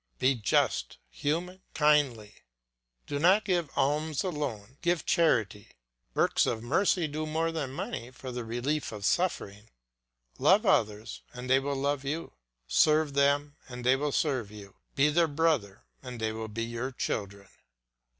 Be just, human, kindly. Do not give alms alone, give charity; works of mercy do more than money for the relief of suffering; love others and they will love you; serve them and they will serve you; be their brother and they will be your children.